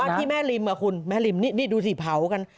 ที่แม่ริมอ่ะคุณแม่ริมนี่ดูสิเผากัน